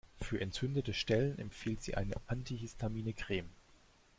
Für entzündete Stellen empfiehlt sie eine antihistamine Creme.